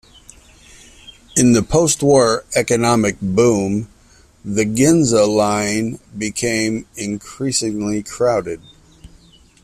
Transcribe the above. In the postwar economic boom, the Ginza Line became increasingly crowded.